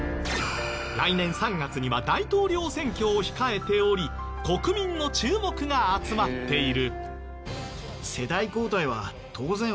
来年３月には大統領選挙を控えており国民の注目が集まっている。